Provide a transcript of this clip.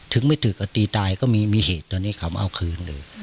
ไม่ตื่นก็ตีตายก็มีเหตุตอนนี้เขามาเอาคืนเลย